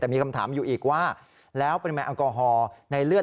แต่มีคำถามอยู่อีกว่าแล้วปริมาณแอลกอฮอล์ในเลือด